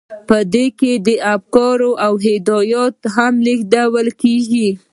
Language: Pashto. په دې کې افکار او هدایات هم لیږدول کیږي.